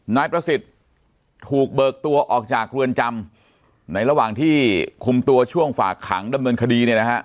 นายประสิทธิ์ถูกเบิกตัวออกจากเรือนจำในระหว่างที่คุมตัวช่วงฝากขังดำเนินคดีเนี่ยนะฮะ